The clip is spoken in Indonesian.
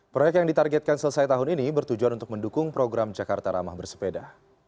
proyek yang ditargetkan selesai tahun ini bertujuan untuk mendukung program jakarta ramah bersepeda